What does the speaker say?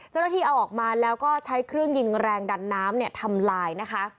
เจ้าหน้าที่เอาออกมาแล้วก็ใช้เครื่องยิงแรงดันน้ำเนี่ยทำลายนะคะ